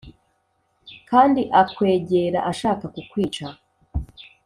kandi akwegera ashaka kukwica